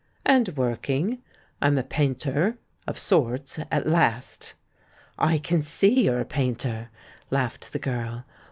"And working. I'm a painter, of sorts, at last." "I can see you're a painter," laughed the girl.